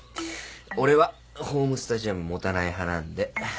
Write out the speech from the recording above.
俺はホームスタジアム持たない派なんで。